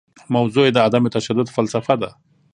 موضوع یې د عدم تشدد فلسفه ده.